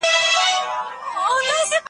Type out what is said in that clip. زه يي خندوم دا کرامات زما په زړه کي دی